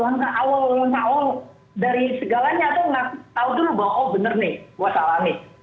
langkah awal dari segalanya itu tahu dulu bahwa oh bener nih gue salah nih